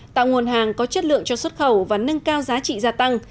tạo nguồn hàng có chất lượng cho xuất khẩu và nâng cao giá trị gia tăng